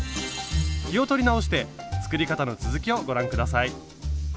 気を取り直して作り方の続きをご覧下さい。